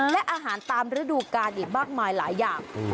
และอาหารตามฤดูกาลอีกมากมายหลายอย่าง